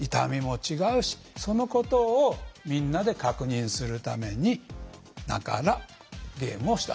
そのことをみんなで確認するために“なから”ゲームをしたと。